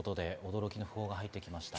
驚きの訃報が入ってきました。